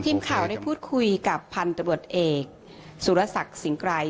ทีมข่าวได้พูดคุยกับพันธบรวจเอกสุรศักดิ์สิงห์ไกร